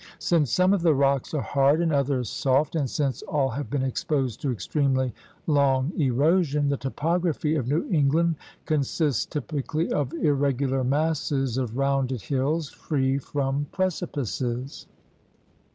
Since some of the rocks are hard and others soft and since all have been exposed to extremely long erosion, the topography of New England con sists typically of irregular masses of rounded hills free from precipices.